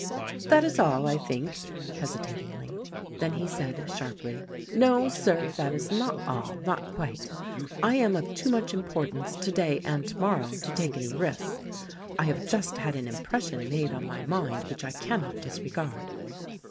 "That is all, I think," hesitatingly. Then he said, sharply, "No, Sir, that is not all— not quite. I am of too much importance, today and tomorrow, to take any risks. I have just had an impression made on my mind which I cannot disregard.